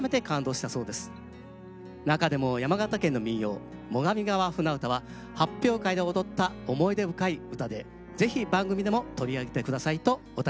中でも山形県の民謡「最上川舟唄」は発表会で踊った思い出深い唄でぜひ番組でも取り上げて下さいとお便りを頂きました。